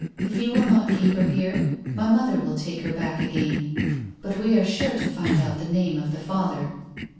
"If you will not keep her here, my mother will take her back again. But we are sure to find out the name of the father."